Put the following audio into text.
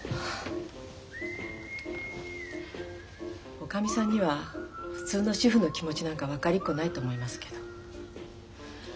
おかみさんには普通の主婦の気持ちなんか分かりっこないと思いますけど。